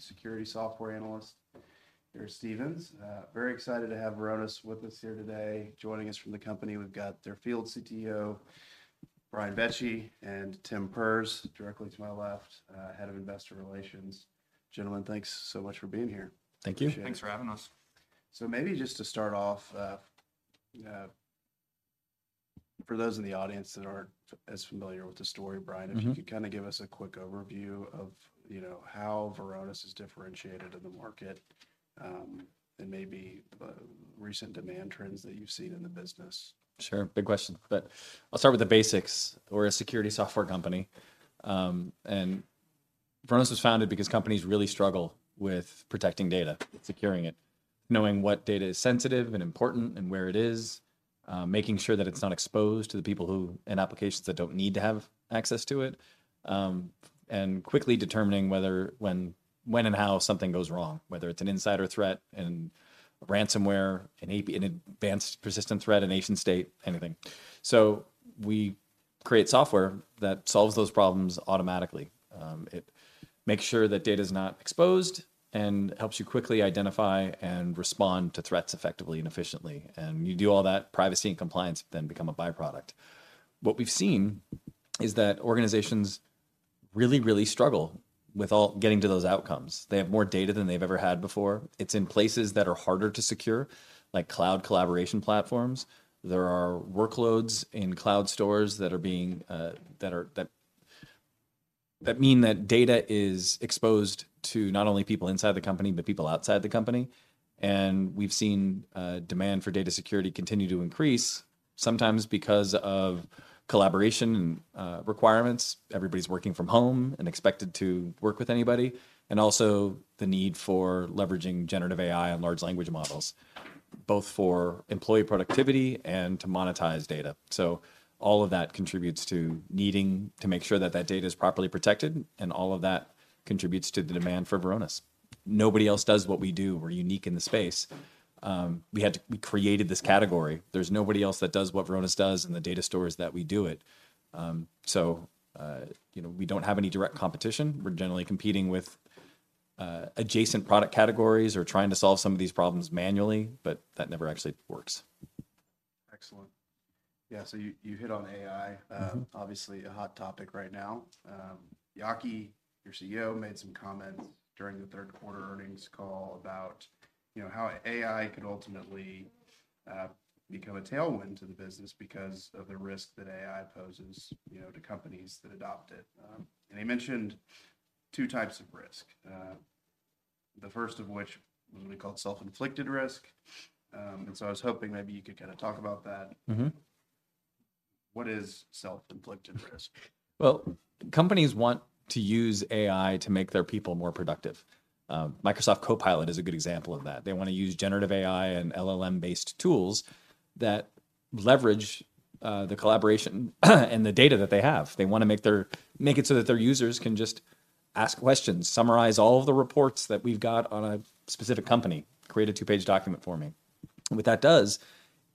the security software analyst, Greg Stevens. Very excited to have Varonis with us here today. Joining us from the company, we've got their Field CTO, Brian Vecci, and Tim Perz, directly to my left, head of investor relations. Gentlemen, thanks so much for being here. Thank you. Thanks for having us. So maybe just to start off, for those in the audience that aren't as familiar with the story, Brian- Mm-hmm... if you could kind of give us a quick overview of, you know, how Varonis is differentiated in the market, and maybe the recent demand trends that you've seen in the business. Sure, big question, but I'll start with the basics. We're a security software company. And Varonis was founded because companies really struggle with protecting data, securing it, knowing what data is sensitive and important and where it is, making sure that it's not exposed to the people who, in applications, that don't need to have access to it. And quickly determining whether, when, when and how something goes wrong, whether it's an insider threat, a ransomware, an advanced persistent threat, a nation state, anything. So we create software that solves those problems automatically. It makes sure that data's not exposed and helps you quickly identify and respond to threats effectively and efficiently. And you do all that, privacy and compliance then become a by-product. What we've seen is that organizations really, really struggle with getting to those outcomes. They have more data than they've ever had before. It's in places that are harder to secure, like cloud collaboration platforms. There are workloads in cloud stores that are being, that are, that, that mean that data is exposed to not only people inside the company, but people outside the company. And we've seen demand for data security continue to increase, sometimes because of collaboration and requirements. Everybody's working from home and expected to work with anybody, and also the need for leveraging generative AI and large language models, both for employee productivity and to monetize data. So all of that contributes to needing to make sure that that data is properly protected, and all of that contributes to the demand for Varonis. Nobody else does what we do. We're unique in the space. We had to, we created this category. There's nobody else that does what Varonis does in the data stores that we do it. So, you know, we don't have any direct competition. We're generally competing with adjacent product categories or trying to solve some of these problems manually, but that never actually works. Excellent. Yeah, so you, you hit on AI. Mm-hmm. Obviously, a hot topic right now. Yaki, your CEO, made some comments during the third quarter earnings call about, you know, how AI could ultimately become a tailwind to the business because of the risk that AI poses, you know, to companies that adopt it. He mentioned two types of risk. The first of which was what we call self-inflicted risk. So I was hoping maybe you could kinda talk about that. Mm-hmm. What is self-inflicted risk? Well, companies want to use AI to make their people more productive. Microsoft Copilot is a good example of that. They wanna use generative AI and LLM-based tools that leverage the collaboration, and the data that they have. They wanna make it so that their users can just ask questions, summarize all of the reports that we've got on a specific company, create a two-page document for me. What that does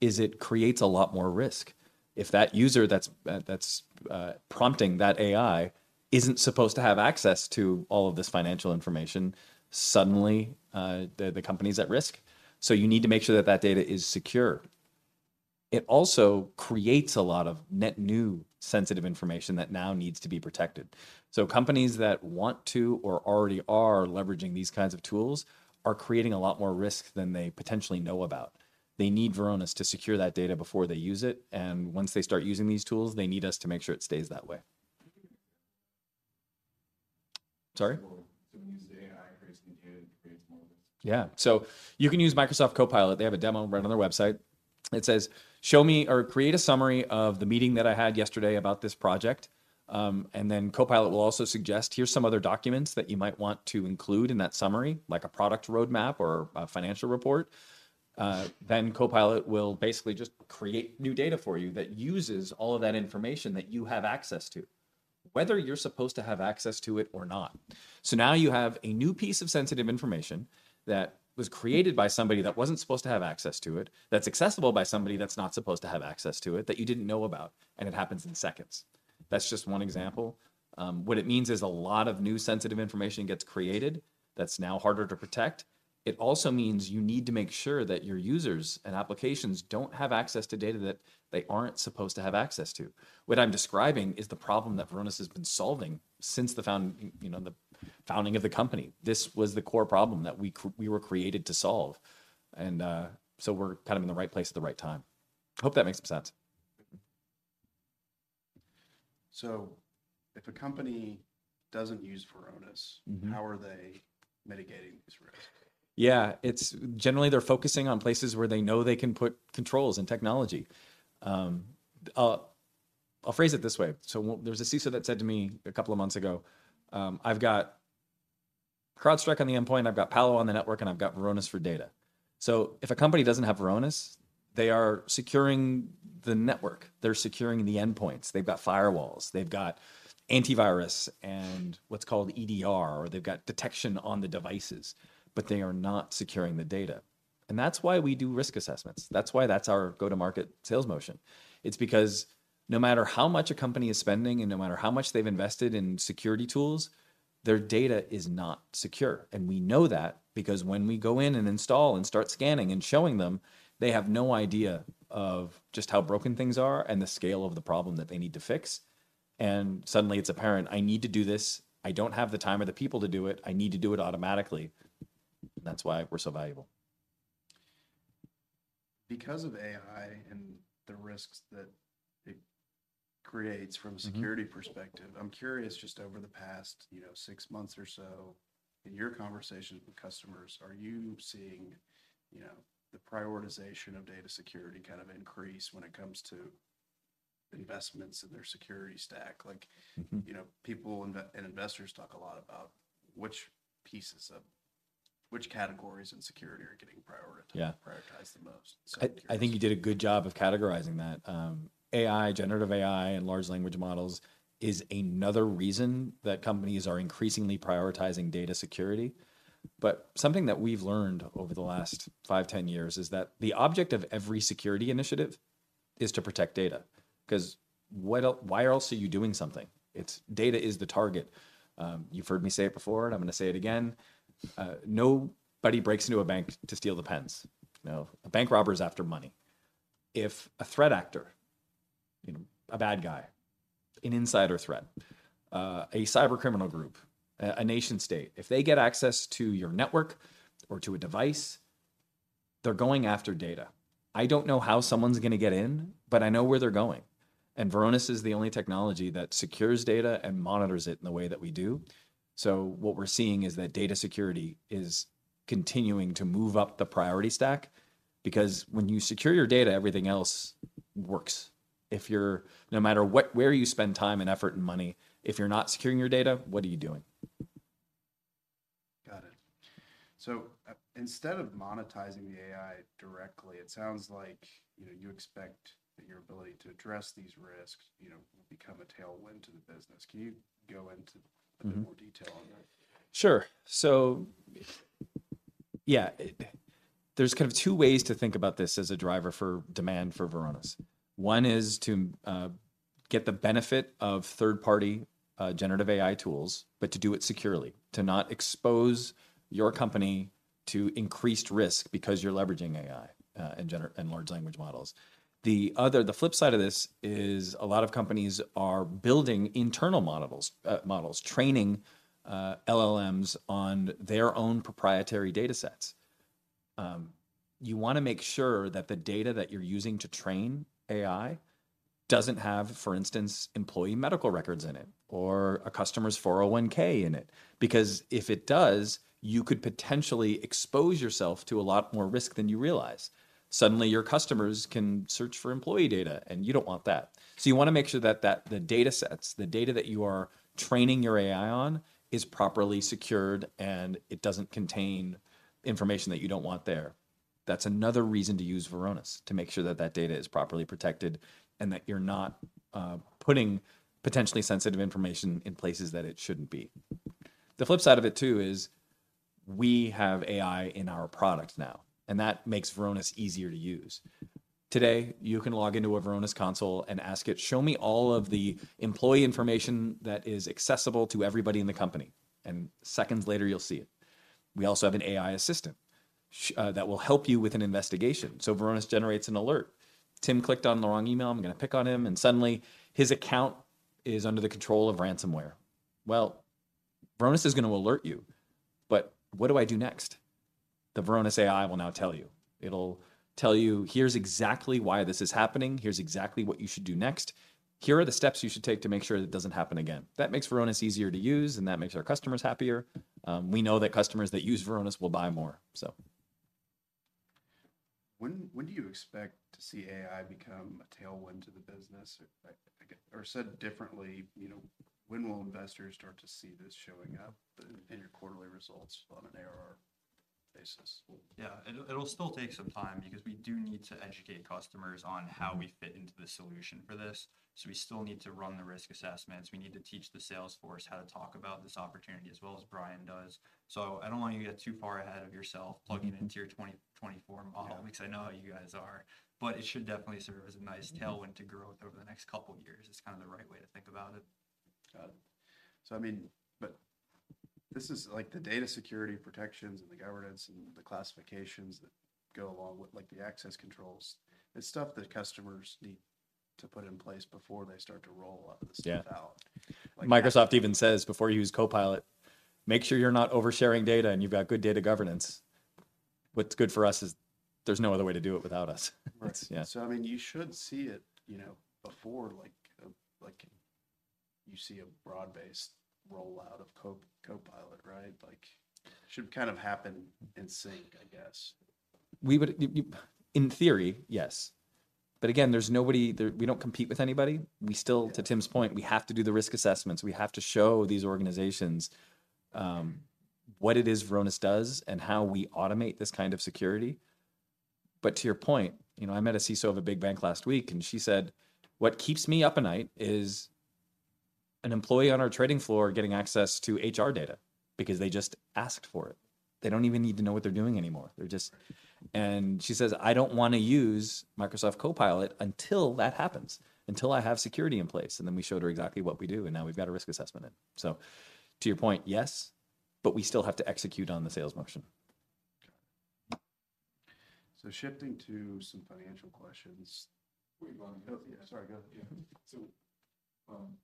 is it creates a lot more risk. If that user that's prompting that AI isn't supposed to have access to all of this financial information, suddenly, the company's at risk. So you need to make sure that that data is secure. It also creates a lot of net new sensitive information that now needs to be protected. Companies that want to or already are leveraging these kinds of tools are creating a lot more risk than they potentially know about. They need Varonis to secure that data before they use it, and once they start using these tools, they need us to make sure it stays that way. Can you give an example? Sorry? So when you say AI creates new data, it creates more risk. Yeah. So you can use Microsoft Copilot. They have a demo right on their website. It says, "Show me or create a summary of the meeting that I had yesterday about this project," and then Copilot will also suggest: "Here's some other documents that you might want to include in that summary, like a product roadmap or a financial report." Then Copilot will basically just create new data for you that uses all of that information that you have access to, whether you're supposed to have access to it or not. So now you have a new piece of sensitive information that was created by somebody that wasn't supposed to have access to it, that's accessible by somebody that's not supposed to have access to it, that you didn't know about, and it happens in seconds. That's just one example. What it means is a lot of new sensitive information gets created that's now harder to protect. It also means you need to make sure that your users and applications don't have access to data that they aren't supposed to have access to. What I'm describing is the problem that Varonis has been solving since the founding of the company. You know, this was the core problem that we were created to solve, and so we're kind of in the right place at the right time. Hope that makes some sense. If a company doesn't use Varonis- Mm-hmm... how are they mitigating these risks? Yeah, it's generally they're focusing on places where they know they can put controls and technology. I'll phrase it this way: so there's a CISO that said to me a couple of months ago, "I've got CrowdStrike on the endpoint, I've got Palo on the network, and I've got Varonis for data." So if a company doesn't have Varonis, they are securing the network, they're securing the endpoints. They've got firewalls, they've got antivirus, and what's called EDR, or they've got detection on the devices, but they are not securing the data... and that's why we do risk assessments. That's why that's our go-to-market sales motion. It's because no matter how much a company is spending, and no matter how much they've invested in security tools, their data is not secure. We know that because when we go in and install and start scanning and showing them, they have no idea of just how broken things are and the scale of the problem that they need to fix, and suddenly it's apparent, "I need to do this. I don't have the time or the people to do it. I need to do it automatically," and that's why we're so valuable. Because of AI and the risks that it creates- Mm-hmm... from a security perspective, I'm curious, just over the past, you know, six months or so, in your conversations with customers, are you seeing, you know, the prioritization of data security kind of increase when it comes to investments in their security stack? Like- Mm-hmm... you know, people and investors talk a lot about which categories in security are getting prioritized- Yeah... prioritized the most? So- I think you did a good job of categorizing that. AI, generative AI, and large language models is another reason that companies are increasingly prioritizing data security. But something that we've learned over the last 5, 10 years is that the object of every security initiative is to protect data, 'cause why else are you doing something? It's... Data is the target. You've heard me say it before, and I'm gonna say it again: Nobody breaks into a bank to steal the pens. No, a bank robber is after money. If a threat actor, you know, a bad guy, an insider threat, a cyber criminal group, a nation state, if they get access to your network or to a device, they're going after data. I don't know how someone's gonna get in, but I know where they're going, and Varonis is the only technology that secures data and monitors it in the way that we do. So what we're seeing is that data security is continuing to move up the priority stack, because when you secure your data, everything else works. No matter where you spend time and effort and money, if you're not securing your data, what are you doing? Got it. So, instead of monetizing the AI directly, it sounds like, you know, you expect that your ability to address these risks, you know, will become a tailwind to the business. Can you go into- Mm-hmm... a bit more detail on that? Sure. So, yeah, there's kind of two ways to think about this as a driver for demand for Varonis. One is to get the benefit of third-party generative AI tools, but to do it securely, to not expose your company to increased risk because you're leveraging AI and generative large language models. The other... The flip side of this is a lot of companies are building internal models, training LLMs on their own proprietary datasets. You wanna make sure that the data that you're using to train AI doesn't have, for instance, employee medical records in it or a customer's 401(k) in it, because if it does, you could potentially expose yourself to a lot more risk than you realize. Suddenly, your customers can search for employee data, and you don't want that. So you wanna make sure that the datasets, the data that you are training your AI on, is properly secured, and it doesn't contain information that you don't want there. That's another reason to use Varonis, to make sure that that data is properly protected and that you're not putting potentially sensitive information in places that it shouldn't be. The flip side of it, too, is we have AI in our product now, and that makes Varonis easier to use. Today, you can log into a Varonis console and ask it, "Show me all of the employee information that is accessible to everybody in the company," and seconds later, you'll see it. We also have an AI assistant that will help you with an investigation. So Varonis generates an alert. Tim clicked on the wrong email, I'm gonna pick on him, and suddenly his account is under the control of ransomware. Well, Varonis is gonna alert you, but what do I do next? The Varonis AI will now tell you. It'll tell you, "Here's exactly why this is happening. Here's exactly what you should do next. Here are the steps you should take to make sure it doesn't happen again." That makes Varonis easier to use, and that makes our customers happier. We know that customers that use Varonis will buy more, so... When do you expect to see AI become a tailwind to the business? Or, again, or said differently, you know, when will investors start to see this showing up in your quarterly results on an ARR basis? Yeah, it'll still take some time because we do need to educate customers on how we fit into the solution for this, so we still need to run the risk assessments. We need to teach the sales force how to talk about this opportunity as well as Brian does. So I don't want you to get too far ahead of yourself plugging into your 2024 model- Yeah... because I know how you guys are, but it should definitely serve as a nice tailwind to growth over the next couple of years. It's kind of the right way to think about it. Got it. So, I mean, but this is like the data security protections and the governance and the classifications that go along with, like, the access controls; it's stuff that customers need to put in place before they start to roll a lot of this stuff out. Yeah. Like- Microsoft even says, "Before you use Copilot, make sure you're not oversharing data, and you've got good data governance." What's good for us is there's no other way to do it without us. Right. Yeah. So, I mean, you should see it, you know, before, like you see a broad-based rollout of Copilot, right? Like, should kind of happen in sync, I guess. We would. In theory, yes. But again, there's nobody there. We don't compete with anybody. We still- Yeah... to Tim's point, we have to do the risk assessments. We have to show these organizations what it is Varonis does and how we automate this kind of security. But to your point, you know, I met a CISO of a big bank last week, and she said, "What keeps me up at night is an employee on our trading floor getting access to HR data because they just asked for it. They don't even need to know what they're doing anymore. They're just. And she says, "I don't wanna use Microsoft Copilot until that happens, until I have security in place." And then we showed her exactly what we do, and now we've got a risk assessment in. So to your point, yes, but we still have to execute on the sales motion. Okay. So shifting to some financial questions. Where are you going? Oh, yeah, sorry, go ahead. Yeah. So, why, why is the cross-training team continuing to pass through? You guys are going to very well, obviously. What, what makes this a no-ask?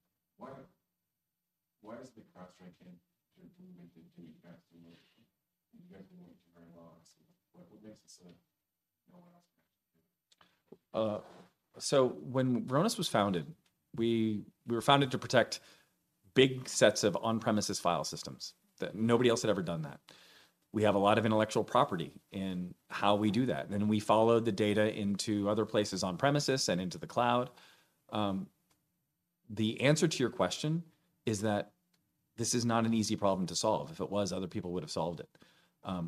So when Varonis was founded, we were founded to protect big sets of on-premises file systems that nobody else had ever done that. We have a lot of intellectual property in how we do that, and we followed the data into other places on-premises and into the cloud. The answer to your question is that this is not an easy problem to solve. If it was, other people would have solved it.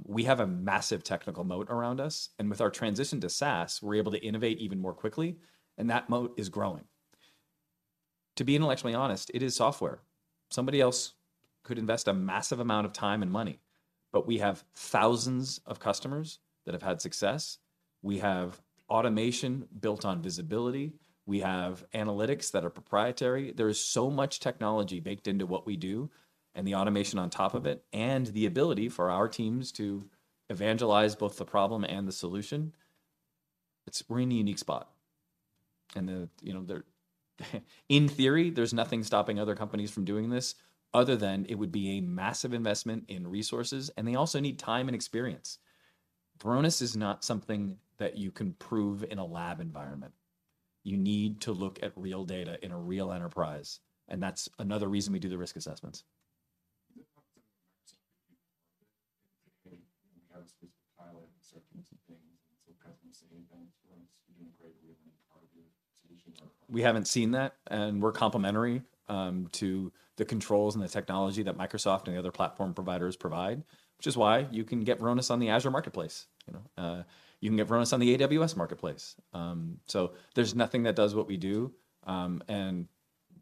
We have a massive technical moat around us, and with our transition to SaaS, we're able to innovate even more quickly, and that moat is growing. To be intellectually honest, it is software. Somebody else could invest a massive amount of time and money, but we have thousands of customers that have had success. We have automation built on visibility. We have analytics that are proprietary. There is so much technology baked into what we do and the automation on top of it, and the ability for our teams to evangelize both the problem and the solution. We're in a unique spot, and, you know, in theory, there's nothing stopping other companies from doing this other than it would be a massive investment in resources, and they also need time and experience. Varonis is not something that you can prove in a lab environment. You need to look at real data in a real enterprise, and that's another reason we do the risk assessments. We have a specific pilot and certain things, so customers say, "Hey, thanks for doing a great deal," and part of your solutions are- We haven't seen that, and we're complementary to the controls and the technology that Microsoft and the other platform providers provide, which is why you can get Varonis on the Azure marketplace. You know, you can get Varonis on the AWS marketplace. So there's nothing that does what we do, and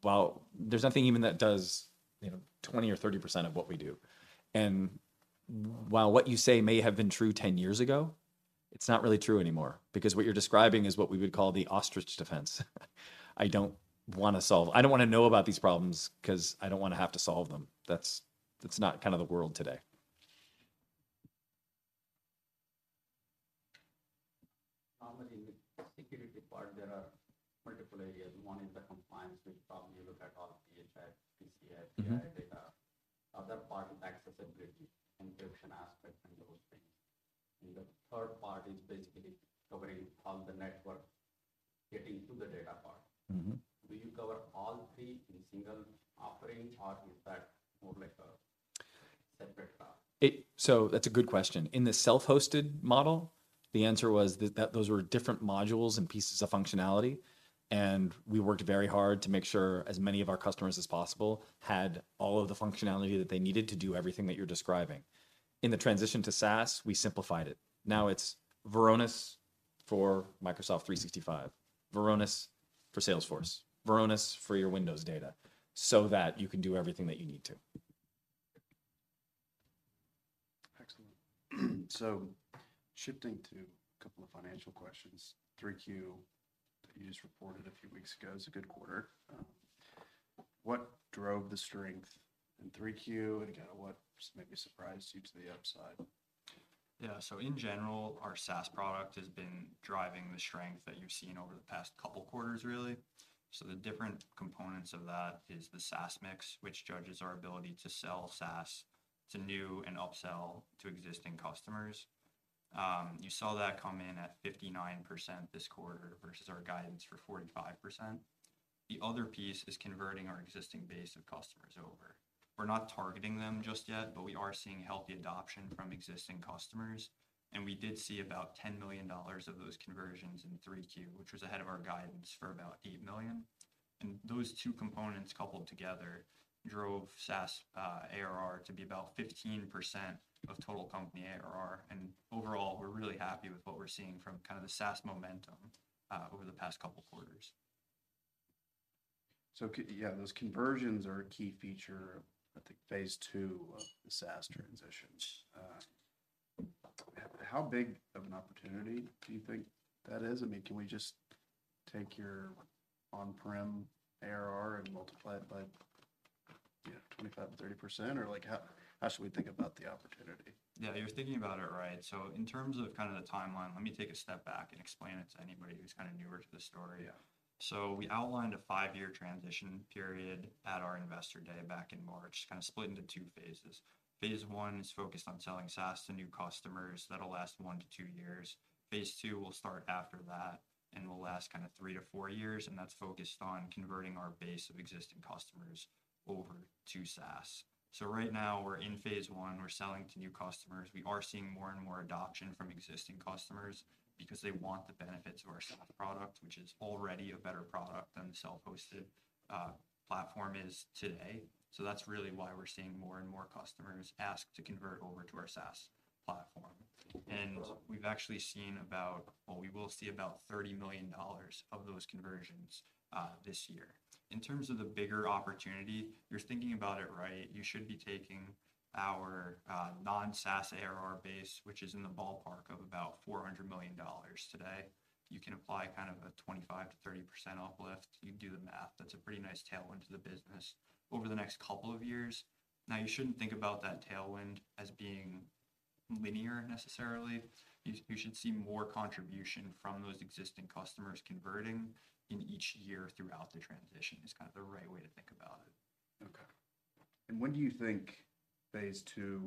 while there's nothing even that does, you know, 20% or 30% of what we do, and while what you say may have been true 10 years ago, it's not really true anymore because what you're describing is what we would call the ostrich defense. I don't wanna know about these problems 'cause I don't wanna have to solve them. That's not kind of the world today. In the security part, there are multiple areas. One is the compliance, which probably look at all PHI, PCI- Mm-hmm... PII data. Other part is accessibility, encryption aspect, and those things. The third part is basically covering all the network getting to the data part. Mm-hmm. Do you cover all three in a single offering, or is that more like a separate product? So that's a good question. In the self-hosted model, the answer was that, that those were different modules and pieces of functionality, and we worked very hard to make sure as many of our customers as possible had all of the functionality that they needed to do everything that you're describing. In the transition to SaaS, we simplified it. Now it's Varonis for Microsoft 365, Varonis for Salesforce, Varonis for your Windows data, so that you can do everything that you need to. Excellent. So shifting to a couple of financial questions. 3Q, you just reported a few weeks ago, is a good quarter. What drove the strength in 3Q, and kinda what maybe surprised you to the upside? Yeah. So in general, our SaaS product has been driving the strength that you've seen over the past couple quarters, really. So the different components of that is the SaaS mix, which judges our ability to sell SaaS to new and upsell to existing customers. You saw that come in at 59% this quarter, versus our guidance for 45%. The other piece is converting our existing base of customers over. We're not targeting them just yet, but we are seeing healthy adoption from existing customers, and we did see about $10 million of those conversions in 3Q, which was ahead of our guidance for about $8 million. Those two components, coupled together, drove SaaS ARR to be about 15% of total company ARR, and overall, we're really happy with what we're seeing from kind of the SaaS momentum over the past couple quarters. Those conversions are a key feature of, I think, phase two of the SaaS transitions. How big of an opportunity do you think that is? I mean, can we just take your on-prem ARR and multiply it by, you know, 25%-30%, or like, how should we think about the opportunity? Yeah, you're thinking about it right. So in terms of kind of the timeline, let me take a step back and explain it to anybody who's kind of newer to the story. Yeah. So we outlined a 5-year transition period at our Investor Day back in March, kind of split into 2 phases. Phase one is focused on selling SaaS to new customers. That'll last 1-2 years. Phase two will start after that and will last kind of 3-4 years, and that's focused on converting our base of existing customers over to SaaS. So right now, we're in phase one. We're selling to new customers. We are seeing more and more adoption from existing customers because they want the benefits of our SaaS product, which is already a better product than the self-hosted platform is today. So that's really why we're seeing more and more customers ask to convert over to our SaaS platform. And we've actually seen about... Well, we will see about $30 million of those conversions this year. In terms of the bigger opportunity, you're thinking about it right. You should be taking our non-SaaS ARR base, which is in the ballpark of about $400 million today. You can apply kind of a 25%-30% uplift. You do the math. That's a pretty nice tailwind to the business over the next couple of years. Now, you shouldn't think about that tailwind as being linear necessarily. You should see more contribution from those existing customers converting in each year throughout the transition, is kind of the right way to think about it. Okay. And when do you think phase two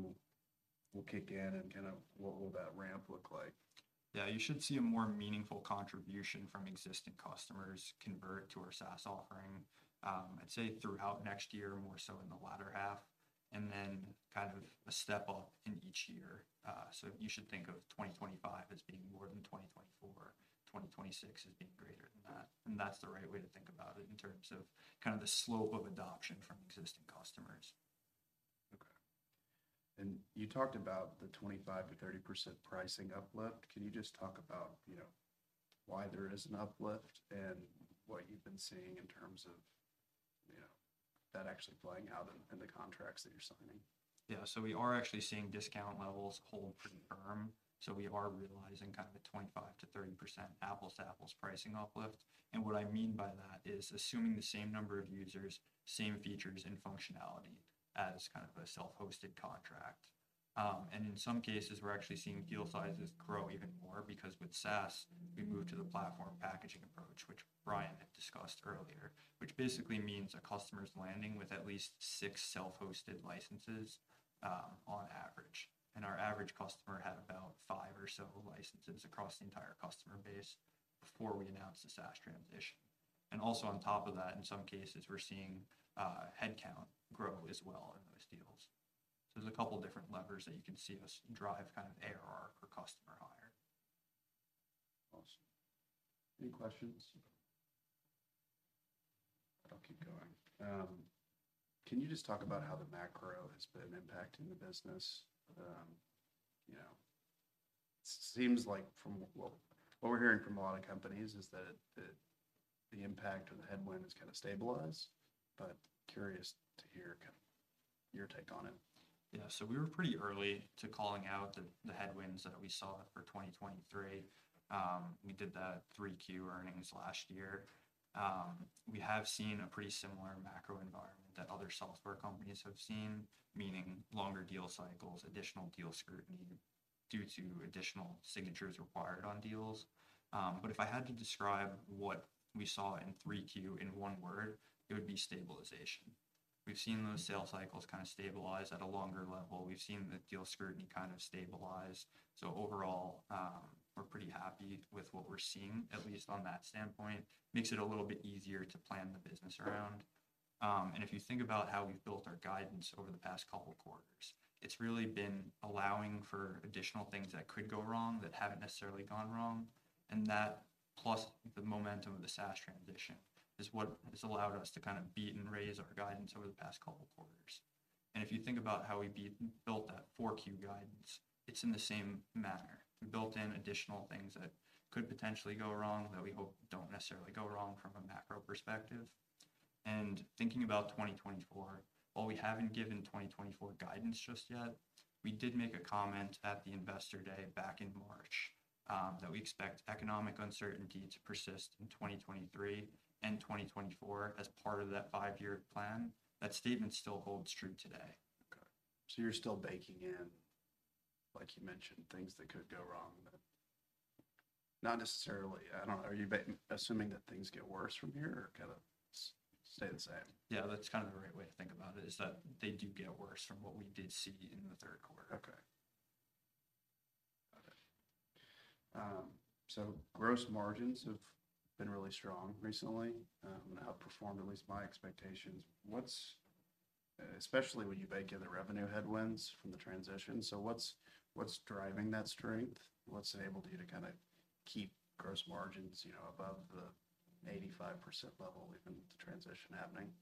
will kick in, and kind of what will that ramp look like? Yeah, you should see a more meaningful contribution from existing customers convert to our SaaS offering. I'd say, throughout next year, more so in the latter half, and then kind of a step up in each year. So you should think of 2025 as being more than 2024, 2026 as being greater than that. And that's the right way to think about it in terms of kind of the slope of adoption from existing customers. Okay. And you talked about the 25%-30% pricing uplift. Can you just talk about, you know, why there is an uplift and what you've been seeing in terms of, you know, that actually playing out in, in the contracts that you're signing? Yeah, so we are actually seeing discount levels hold pretty firm, so we are realizing kind of a 25%-30% apples-to-apples pricing uplift. And what I mean by that is assuming the same number of users, same features, and functionality as kind of a self-hosted contract. And in some cases, we're actually seeing deal sizes grow even more because with SaaS, we move to the platform packaging approach, which Brian had discussed earlier, which basically means a customer's landing with at least 6 self-hosted licenses, on average. And our average customer had about 5 or so licenses across the entire customer base before we announced the SaaS transition. And also on top of that, in some cases, we're seeing headcount grow as well in those deals. So there's a couple different levers that you can see us drive kind of ARR per customer higher. Awesome. Any questions? I'll keep going. Can you just talk about how the macro has been impacting the business? You know, seems like from... Well, what we're hearing from a lot of companies is that, that the impact or the headwind has kind of stabilized, but curious to hear kind of your take on it. Yeah, so we were pretty early to calling out the headwinds that we saw for 2023. We did the 3Q earnings last year. We have seen a pretty similar macro environment that other software companies have seen, meaning longer deal cycles, additional deal scrutiny due to additional signatures required on deals. But if I had to describe what we saw in 3Q in one word, it would be stabilization. We've seen those sales cycles kind of stabilize at a longer level. We've seen the deal scrutiny kind of stabilize. So overall, we're pretty happy with what we're seeing, at least on that standpoint. Makes it a little bit easier to plan the business around. And if you think about how we've built our guidance over the past couple quarters, it's really been allowing for additional things that could go wrong that haven't necessarily gone wrong, and that plus the momentum of the SaaS transition is what has allowed us to kind of beat and raise our guidance over the past couple quarters. And if you think about how we built that 4Q guidance, it's in the same manner. We built in additional things that could potentially go wrong that we hope don't necessarily go wrong from a macro perspective. And thinking about 2024, while we haven't given 2024 guidance just yet, we did make a comment at the Investor Day back in March that we expect economic uncertainty to persist in 2023 and 2024 as part of that 5-year plan. That statement still holds true today. Okay, so you're still baking in, like you mentioned, things that could go wrong, but not necessarily. I don't know, are you assuming that things get worse from here or kinda stay the same? Yeah, that's kind of the right way to think about it, is that they do get worse from what we did see in the third quarter. Okay. Okay, so gross margins have been really strong recently, and outperformed at least my expectations. What's especially when you bake in the revenue headwinds from the transition, so what's driving that strength? What's enabled you to kinda keep gross margins, you know, above the 85% level, even with the transition happening?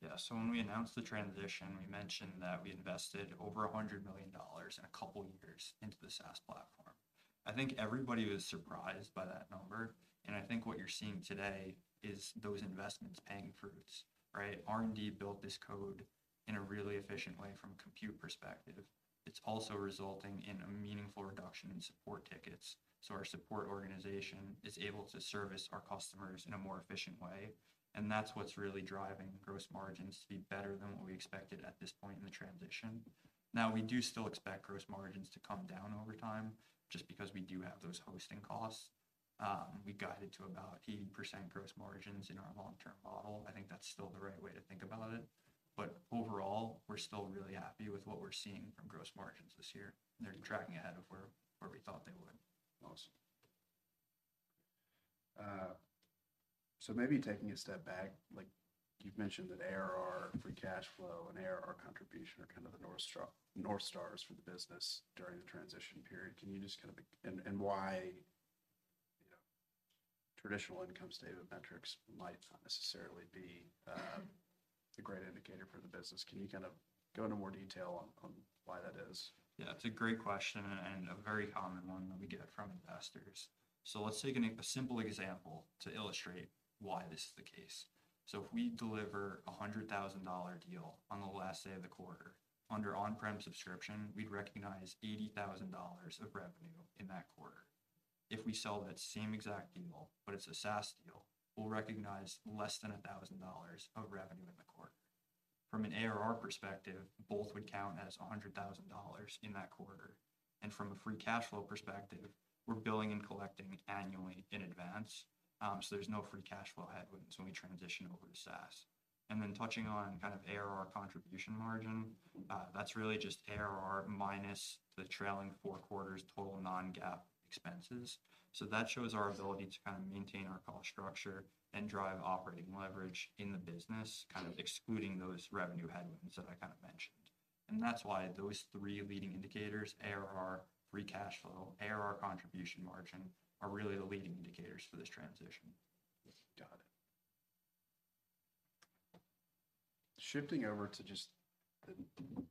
Yeah. So when we announced the transition, we mentioned that we invested over $100 million in a couple years into the SaaS platform. I think everybody was surprised by that number, and I think what you're seeing today is those investments paying fruits, right? R&D built this code in a really efficient way from a compute perspective. It's also resulting in a meaningful reduction in support tickets, so our support organization is able to service our customers in a more efficient way, and that's what's really driving gross margins to be better than what we expected at this point in the transition. Now, we do still expect gross margins to come down over time, just because we do have those hosting costs. We guided to about 80% gross margins in our long-term model. I think that's still the right way to think about it, but overall, we're still really happy with what we're seeing from gross margins this year, and they're tracking ahead of where we thought they would. Awesome. So maybe taking a step back, like, you've mentioned that ARR, free cash flow, and ARR contribution are kind of the north stars for the business during the transition period. And why, you know, traditional income statement might not necessarily be a great indicator for the business. Can you kind of go into more detail on why that is? Yeah, it's a great question, and a very common one that we get from investors. So let's take a simple example to illustrate why this is the case. So if we deliver a $100,000 deal on the last day of the quarter, under on-prem subscription, we'd recognize $80,000 of revenue in that quarter. If we sell that same exact deal, but it's a SaaS deal, we'll recognize less than $1,000 of revenue in the quarter. From an ARR perspective, both would count as $100,000 in that quarter, and from a free cash flow perspective, we're billing and collecting annually in advance. So there's no free cash flow headwinds when we transition over to SaaS. And then touching on kind of ARR contribution margin, that's really just ARR minus the trailing four quarters total non-GAAP expenses. That shows our ability to kind of maintain our cost structure and drive operating leverage in the business, kind of excluding those revenue headwinds that I kind of mentioned. That's why those three leading indicators, ARR, free cash flow, ARR contribution margin, are really the leading indicators for this transition. Got it. Shifting over to just the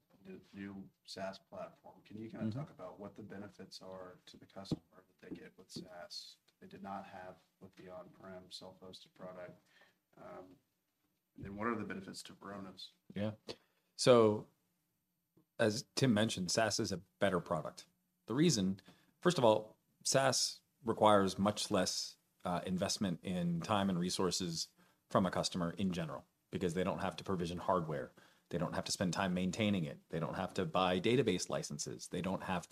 new SaaS platform, can you kind of- Mm-hmm... talk about what the benefits are to the customer that they get with SaaS they did not have with the on-prem, self-hosted product? And what are the benefits to Varonis? Yeah. So as Tim mentioned, SaaS is a better product. The reason... First of all, SaaS requires much less investment in time and resources from a customer in general, because they don't have to provision hardware. They don't have to spend time maintaining it. They don't have to buy database licenses. They don't have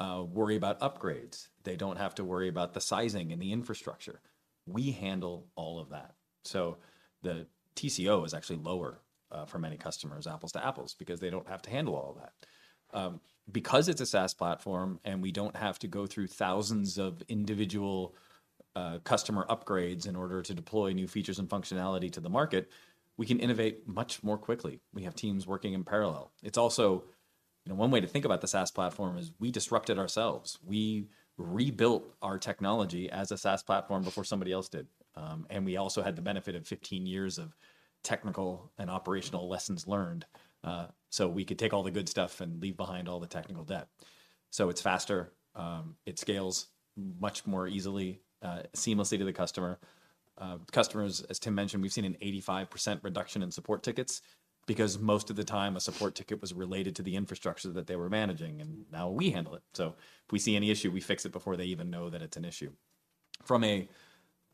to worry about upgrades. They don't have to worry about the sizing and the infrastructure. We handle all of that. So the TCO is actually lower for many customers, apples to apples, because they don't have to handle all of that. Because it's a SaaS platform, and we don't have to go through thousands of individual customer upgrades in order to deploy new features and functionality to the market, we can innovate much more quickly. We have teams working in parallel. It's also, you know, one way to think about the SaaS platform is we disrupted ourselves. We rebuilt our technology as a SaaS platform before somebody else did. And we also had the benefit of 15 years of technical and operational lessons learned, so we could take all the good stuff and leave behind all the technical debt. So it's faster, it scales much more easily, seamlessly to the customer. Customers, as Tim mentioned, we've seen an 85% reduction in support tickets, because most of the time a support ticket was related to the infrastructure that they were managing, and now we handle it. So if we see any issue, we fix it before they even know that it's an issue. From a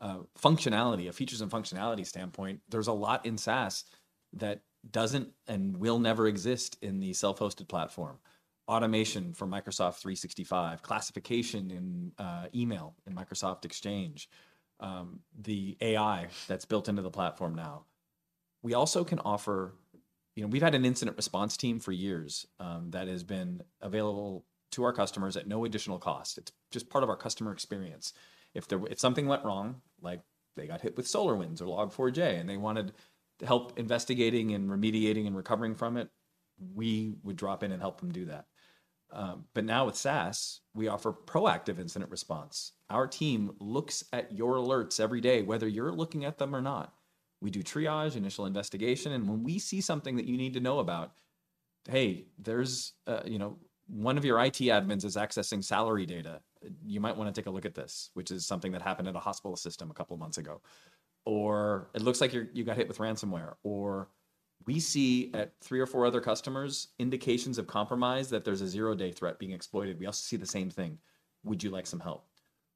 functionality, features and functionality standpoint, there's a lot in SaaS that doesn't and will never exist in the self-hosted platform. Automation for Microsoft 365, classification in email, in Microsoft Exchange, the AI that's built into the platform now. We also can offer... You know, we've had an incident response team for years that has been available to our customers at no additional cost. It's just part of our customer experience. If something went wrong, like they got hit with SolarWinds or Log4j, and they wanted help investigating and remediating and recovering from it, we would drop in and help them do that. But now with SaaS, we offer proactive incident response. Our team looks at your alerts every day, whether you're looking at them or not. We do triage, initial investigation, and when we see something that you need to know about, "Hey, there's, you know, one of your IT admins is accessing salary data. You might wanna take a look at this," which is something that happened at a hospital system a couple months ago. Or, "It looks like you're, you got hit with ransomware," or, "We see at three or four other customers, indications of compromise that there's a zero-day threat being exploited. We also see the same thing. Would you like some help?"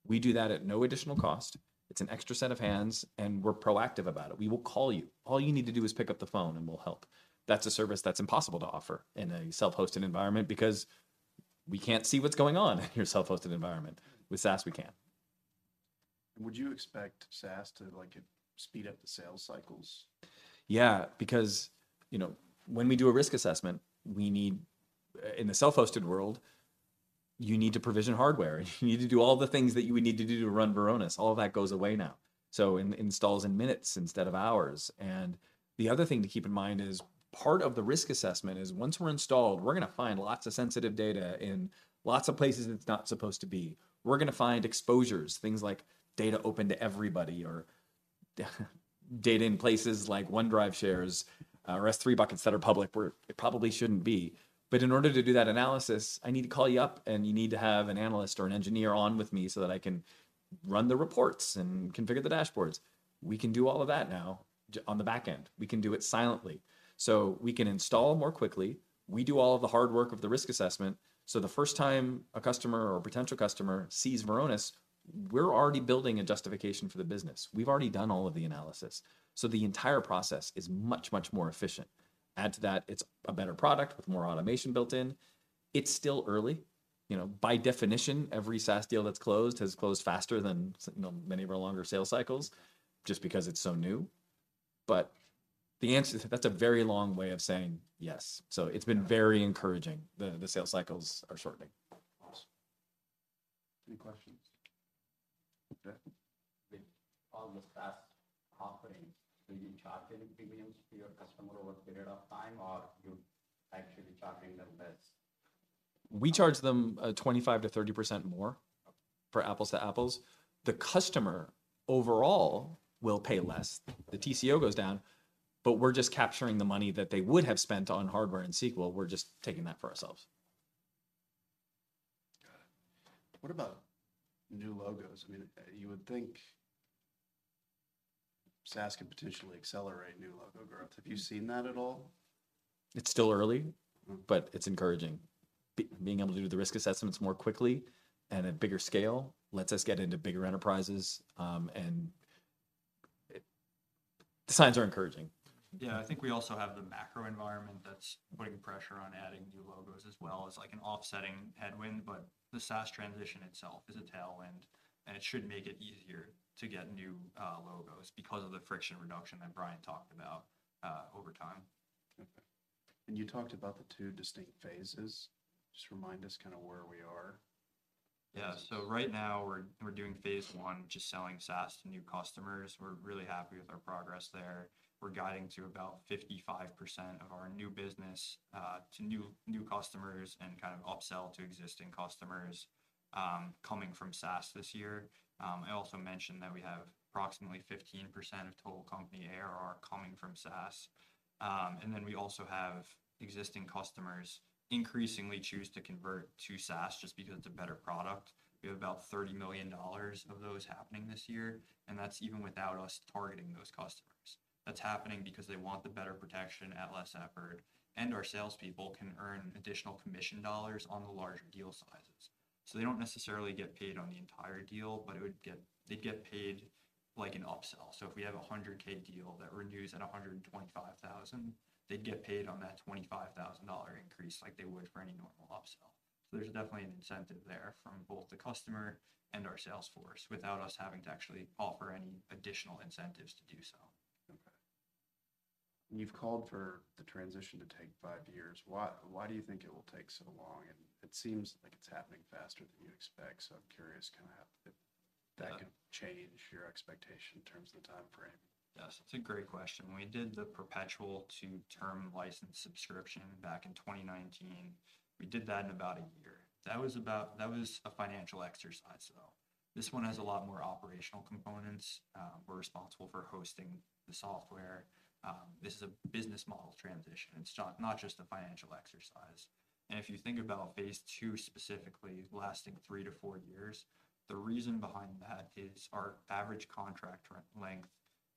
We do that at no additional cost. It's an extra set of hands, and we're proactive about it. We will call you. All you need to do is pick up the phone, and we'll help. That's a service that's impossible to offer in a self-hosted environment because we can't see what's going on in your self-hosted environment. With SaaS, we can. Would you expect SaaS to, like, speed up the sales cycles? Yeah, because, you know, when we do a risk assessment, we need... in the self-hosted world, you need to provision hardware, and you need to do all the things that you would need to do to run Varonis. All of that goes away now. So it installs in minutes instead of hours. And the other thing to keep in mind is, part of the risk assessment is once we're installed, we're gonna find lots of sensitive data in lots of places it's not supposed to be. We're gonna find exposures, things like data open to everybody, or data in places like OneDrive shares, or S3 buckets that are public, where it probably shouldn't be. But in order to do that analysis, I need to call you up, and you need to have an analyst or an engineer on with me so that I can run the reports and configure the dashboards. We can do all of that now on the back end. We can do it silently. So we can install more quickly. We do all of the hard work of the risk assessment, so the first time a customer or potential customer sees Varonis, we're already building a justification for the business. We've already done all of the analysis, so the entire process is much, much more efficient. Add to that, it's a better product with more automation built in. It's still early. You know, by definition, every SaaS deal that's closed has closed faster than, you know, many of our longer sales cycles, just because it's so new. But the answer to... That's a very long way of saying yes. So it's been very encouraging. The sales cycles are shortening. Awesome. Any questions? Okay. With all the SaaS offerings, will you charge any premiums to your customer over a period of time, or you're actually charging them less?... we charge them 25%-30% more for apples to apples. The customer overall will pay less. The TCO goes down, but we're just capturing the money that they would have spent on hardware and SQL, we're just taking that for ourselves. Got it. What about new logos? I mean, you would think SaaS could potentially accelerate new logo growth. Have you seen that at all? It's still early- Mm. But it's encouraging. Being able to do the risk assessments more quickly and at bigger scale lets us get into bigger enterprises, and it, the signs are encouraging. Yeah, I think we also have the macro environment that's putting pressure on adding new logos as well as, like, an offsetting headwind. But the SaaS transition itself is a tailwind, and it should make it easier to get new logos because of the friction reduction that Brian talked about over time. Okay. You talked about the two distinct phases. Just remind us kind of where we are? Yeah. So right now, we're doing phase one, just selling SaaS to new customers. We're really happy with our progress there. We're guiding to about 55% of our new business to new customers and kind of upsell to existing customers coming from SaaS this year. I also mentioned that we have approximately 15% of total company ARR coming from SaaS. And then we also have existing customers increasingly choose to convert to SaaS just because it's a better product. We have about $30 million of those happening this year, and that's even without us targeting those customers. That's happening because they want the better protection at less effort, and our salespeople can earn additional commission dollars on the larger deal sizes. So they don't necessarily get paid on the entire deal, but they'd get paid, like an upsell. So if we have a 100K deal that renews at 125,000, they'd get paid on that $25,000 increase like they would for any normal upsell. So there's definitely an incentive there from both the customer and our sales force, without us having to actually offer any additional incentives to do so. Okay. You've called for the transition to take 5 years. Why, why do you think it will take so long? It seems like it's happening faster than you expect, so I'm curious, kind of, if that could change your expectation in terms of the timeframe? Yes, it's a great question. We did the perpetual to term license subscription back in 2019. We did that in about a year. That was about, that was a financial exercise, so this one has a lot more operational components. We're responsible for hosting the software. This is a business model transition. It's not, not just a financial exercise. And if you think about phase two specifically lasting 3-4 years, the reason behind that is our average contract length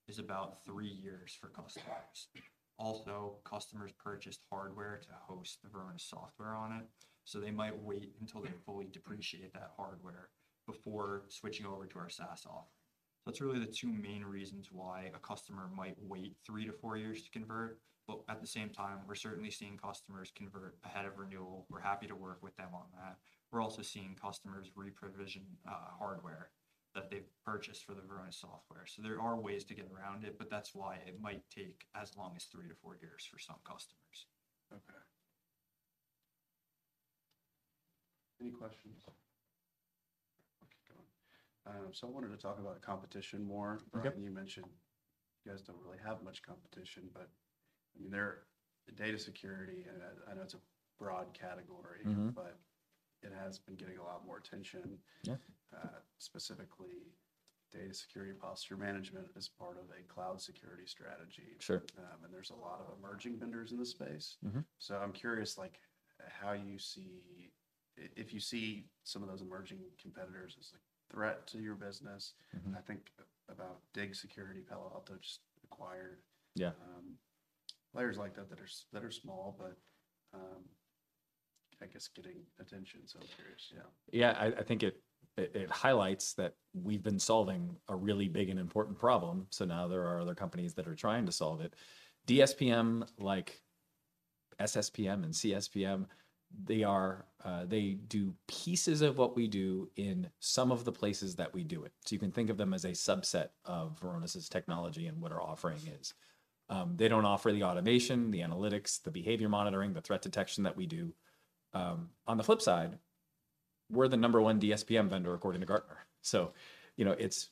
is about 3 years for customers. Also, customers purchased hardware to host the Varonis software on it, so they might wait until they've fully depreciated that hardware before switching over to our SaaS offer. That's really the two main reasons why a customer might wait 3-4 years to convert, but at the same time, we're certainly seeing customers convert ahead of renewal. We're happy to work with them on that. We're also seeing customers reprovision hardware that they've purchased for the Varonis software. There are ways to get around it, but that's why it might take as long as 3-4 years for some customers. Okay. Any questions? Okay, go on. So, I wanted to talk about competition more. Okay. You mentioned you guys don't really have much competition, but, I mean, data security, and I, I know it's a broad category- Mm-hmm. But it has been getting a lot more attention. Yeah. Specifically, Data Security Posture Management as part of a cloud security strategy. Sure. There's a lot of emerging vendors in this space. Mm-hmm. I'm curious, like, how you see... if you see some of those emerging competitors as a threat to your business? Mm-hmm. I think about Dig Security, Palo Alto just acquired- Yeah... players like that, that are small, but I guess getting attention, so curious, yeah. Yeah, I think it highlights that we've been solving a really big and important problem, so now there are other companies that are trying to solve it. DSPM, like SSPM and CSPM, they are, they do pieces of what we do in some of the places that we do it. So you can think of them as a subset of Varonis' technology and what our offering is. They don't offer the automation, the analytics, the behavior monitoring, the threat detection that we do. On the flip side, we're the number one DSPM vendor, according to Gartner. So, you know, it's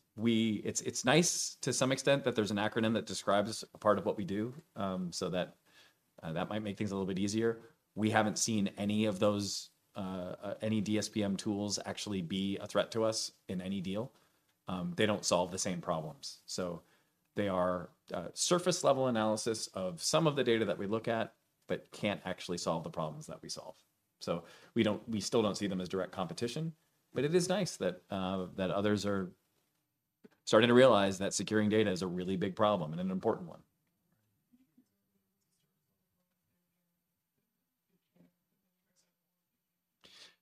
nice to some extent that there's an acronym that describes a part of what we do, so that might make things a little bit easier. We haven't seen any of those any DSPM tools actually be a threat to us in any deal. They don't solve the same problems, so they are surface-level analysis of some of the data that we look at, but can't actually solve the problems that we solve. So we don't, we still don't see them as direct competition, but it is nice that that others are starting to realize that securing data is a really big problem and an important one.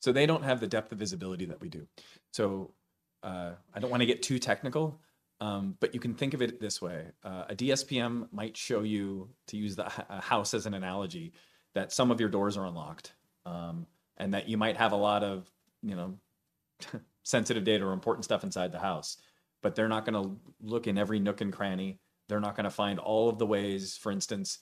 So they don't have the depth of visibility that we do. So I don't want to get too technical, but you can think of it this way. A DSPM might show you, to use a house as an analogy, that some of your doors are unlocked, and that you might have a lot of, you know, sensitive data or important stuff inside the house, but they're not gonna look in every nook and cranny. They're not gonna find all of the ways, for instance,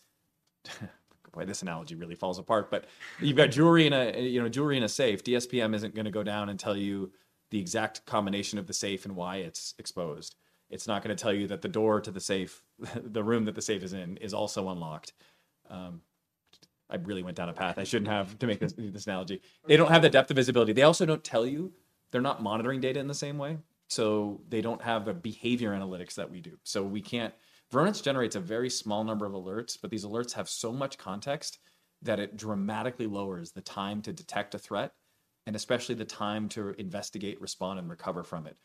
boy, this analogy really falls apart, but you've got jewelry in a, you know, jewelry in a safe. DSPM isn't gonna go down and tell you the exact combination of the safe and why it's exposed. It's not gonna tell you that the door to the safe, the room that the safe is in, is also unlocked. I really went down a path I shouldn't have to make this, this analogy. They don't have the depth of visibility. They also don't tell you they're not monitoring data in the same way, so they don't have the behavior analytics that we do. Varonis generates a very small number of alerts, but these alerts have so much context that it dramatically lowers the time to detect a threat, and especially the time to investigate, respond, and recover from it.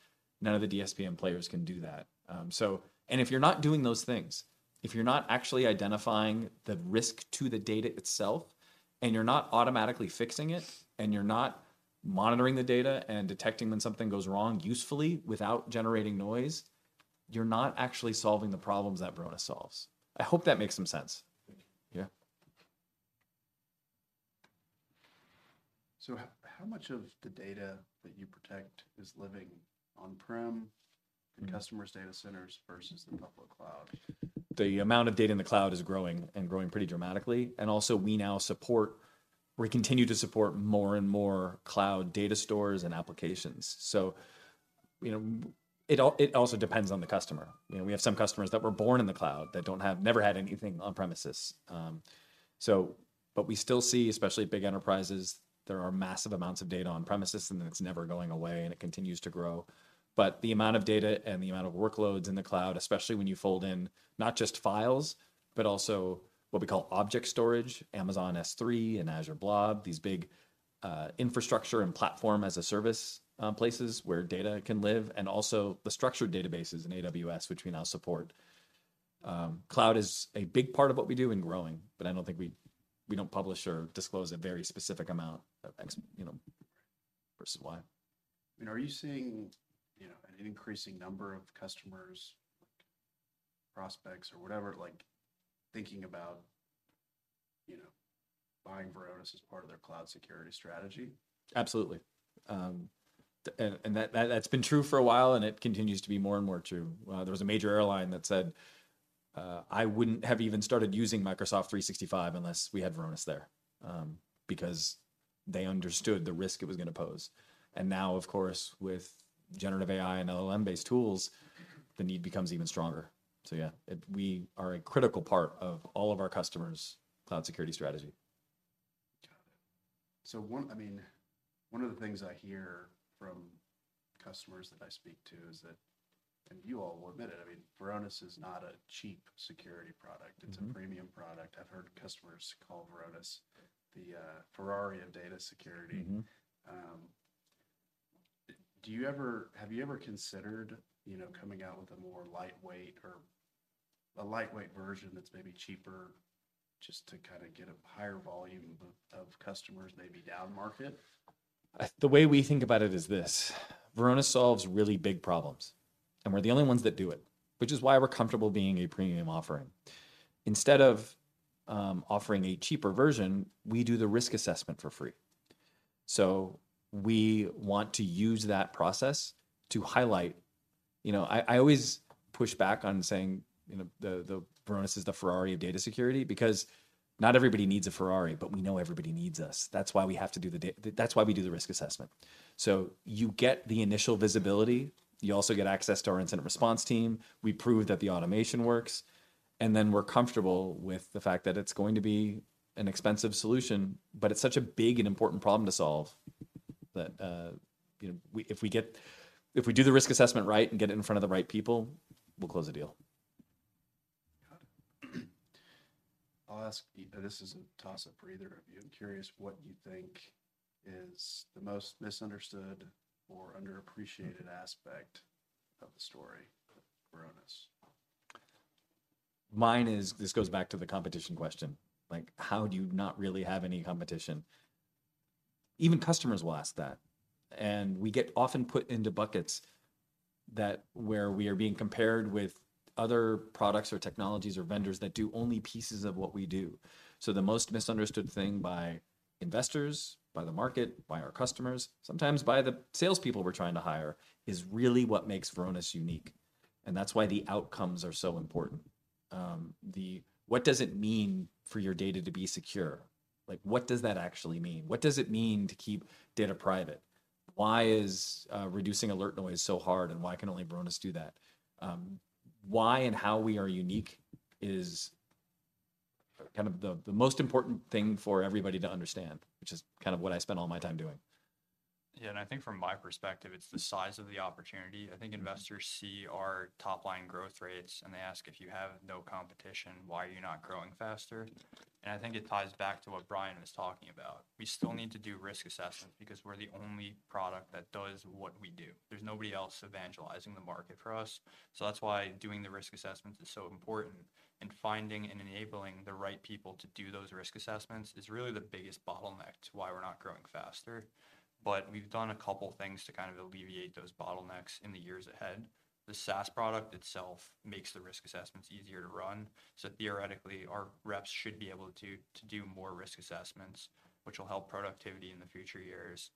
None of the DSPM players can do that. And if you're not doing those things, if you're not actually identifying the risk to the data itself, and you're not automatically fixing it, and you're not monitoring the data and detecting when something goes wrong usefully without generating noise, you're not actually solving the problems that Varonis solves. I hope that makes some sense. Thank you. Yeah. So how much of the data that you protect is living on-prem in customers' data centers versus the public cloud? The amount of data in the cloud is growing, and growing pretty dramatically, and also we continue to support more and more cloud data stores and applications. So, you know, it also depends on the customer. You know, we have some customers that were born in the cloud, that never had anything on premises. But we still see, especially big enterprises, there are massive amounts of data on premises, and then it's never going away, and it continues to grow. But the amount of data and the amount of workloads in the cloud, especially when you fold in not just files, but also what we call object storage, Amazon S3 and Azure Blob, these big, infrastructure and platform-as-a-service, places where data can live, and also the structured databases in AWS, which we now support. Cloud is a big part of what we do and growing, but I don't think we don't publish or disclose a very specific amount of X, you know, versus Y. Are you seeing, you know, an increasing number of customers, prospects, or whatever, like, thinking about, you know, buying Varonis as part of their cloud security strategy? Absolutely. And that, that's been true for a while, and it continues to be more and more true. There was a major airline that said, "I wouldn't have even started using Microsoft 365 unless we had Varonis there," because they understood the risk it was gonna pose. And now, of course, with generative AI and LLM-based tools, the need becomes even stronger. So yeah, it - we are a critical part of all of our customers' cloud security strategy. Got it. So, I mean, one of the things I hear from customers that I speak to is that, and you all will admit it, I mean, Varonis is not a cheap security product. Mm-hmm.... it's a premium product. I've heard customers call Varonis the, Ferrari of data security. Mm-hmm. Have you ever considered, you know, coming out with a more lightweight or a lightweight version that's maybe cheaper, just to kind of get a higher volume of, of customers, maybe downmarket? The way we think about it is this: Varonis solves really big problems, and we're the only ones that do it, which is why we're comfortable being a premium offering. Instead of offering a cheaper version, we do the risk assessment for free. So we want to use that process to highlight... You know, I always push back on saying, you know, the Varonis is the Ferrari of data security because not everybody needs a Ferrari, but we know everybody needs us. That's why we have to do the da-- that's why we do the risk assessment. So you get the initial visibility, you also get access to our incident response team, we prove that the automation works, and then we're comfortable with the fact that it's going to be an expensive solution, but it's such a big and important problem to solve that, you know, if we do the risk assessment right and get it in front of the right people, we'll close the deal. Got it. I'll ask, this is a toss-up for either of you. I'm curious what you think is the most misunderstood or underappreciated aspect of the story of Varonis? Mine is, this goes back to the competition question, like, how do you not really have any competition? Even customers will ask that, and we get often put into buckets that where we are being compared with other products or technologies or vendors that do only pieces of what we do. So the most misunderstood thing by investors, by the market, by our customers, sometimes by the salespeople we're trying to hire, is really what makes Varonis unique, and that's why the outcomes are so important. What does it mean for your data to be secure? Like, what does that actually mean? What does it mean to keep data private? Why is reducing alert noise so hard, and why can only Varonis do that? Why and how we are unique is kind of the most important thing for everybody to understand, which is kind of what I spend all my time doing. Yeah, and I think from my perspective, it's the size of the opportunity. Mm-hmm. I think investors see our top-line growth rates, and they ask, "If you have no competition, why are you not growing faster?" And I think it ties back to what Brian was talking about. We still need to do risk assessments because we're the only product that does what we do. There's nobody else evangelizing the market for us. So that's why doing the risk assessments is so important, and finding and enabling the right people to do those risk assessments is really the biggest bottleneck to why we're not growing faster. But we've done a couple things to kind of alleviate those bottlenecks in the years ahead. The SaaS product itself makes the risk assessments easier to run, so theoretically, our reps should be able to do more risk assessments, which will help productivity in the future years.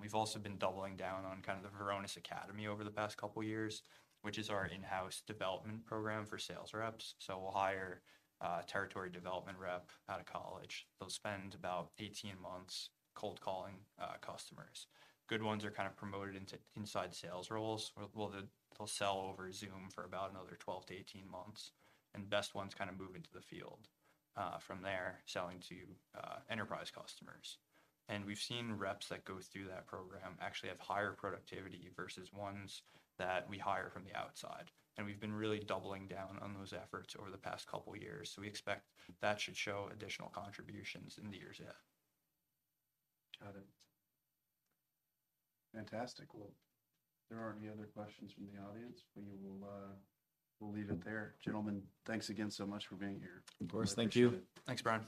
We've also been doubling down on kind of the Varonis Academy over the past couple years, which is our in-house development program for sales reps. So we'll hire a territory development rep out of college. They'll spend about 18 months cold calling customers. Good ones are kind of promoted into inside sales roles, where they'll sell over Zoom for about another 12-18 months, and the best ones kind of move into the field from there, selling to enterprise customers. And we've seen reps that go through that program actually have higher productivity versus ones that we hire from the outside, and we've been really doubling down on those efforts over the past couple years. So we expect that should show additional contributions in the years ahead. Got it. Fantastic. Well, if there aren't any other questions from the audience, we will, we'll leave it there. Gentlemen, thanks again so much for being here. Of course. Thank you. Thanks, Brian.